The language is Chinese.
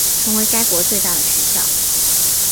成为该国最大的学校。